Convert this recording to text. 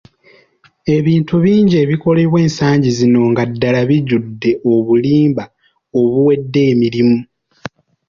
Ebintu bingi ebikolebwa ensangi zino nga ddala bijjudde obulimba obuwedde emirimu.